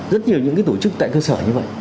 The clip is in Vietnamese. rất nhiều những cái tổ chức tại cơ sở như vậy